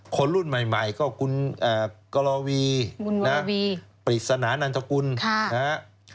คนรุ่นใหม่ก็คุณกรวีปริศนานันทกุลนะฮะ